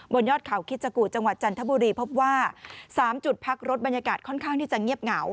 ยอดเขาคิจกูจังหวัดจันทบุรีพบว่า๓จุดพักรถบรรยากาศค่อนข้างที่จะเงียบเหงา